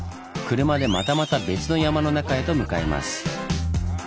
車でまたまた別の山の中へと向かいます。